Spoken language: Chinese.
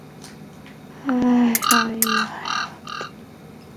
克鲁姆赫尔恩是德国下萨克森州的一个市镇。